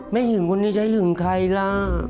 หึงคนนี้จะหึงใครล่ะ